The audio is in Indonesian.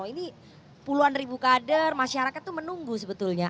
ini puluhan ribu kader masyarakat itu menunggu sebetulnya